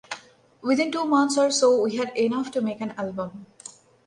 Within two months or so we had enough to make an album.